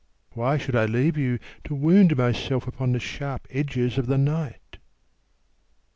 Why should I leave you, To wound myself upon the sharp edges of the night?